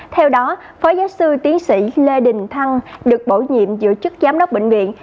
theo đó phó giáo sư tiến sĩ lê đình thăng được bổ nhiệm giữ chức giám đốc bệnh viện